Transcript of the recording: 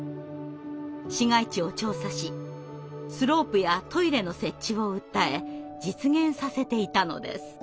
市街地を調査しスロープやトイレの設置を訴え実現させていたのです。